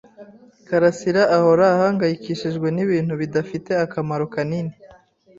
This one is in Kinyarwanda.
karasira ahora ahangayikishijwe nibintu bidafite akamaro kanini.